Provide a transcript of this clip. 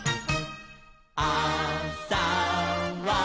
「あさは」